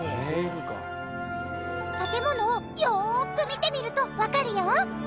建物をよく見てみるとわかるよ。